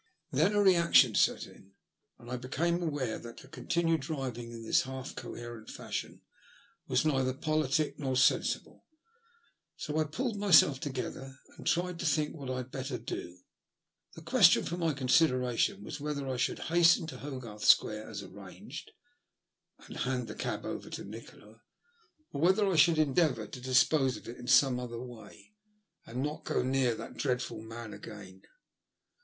Then a reaction set in, and I became aware that to continue driving in this half coherent fashion was neither politic nor sensible, so I pulled myself together and tried to think what I had better do. The question for my consideration was whether I should hasten to Hogarth Square as arranged and hand the THS LUST OF HATE. 97 cab over to Nikola, or whether I should endeavour to dispose of it in some other way, and not go near that dreadful man again.